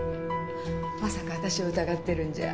まさか私を疑ってるんじゃ。